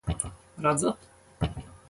Redzat?